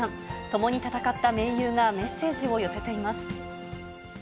共に戦った盟友がメッセージを寄せています。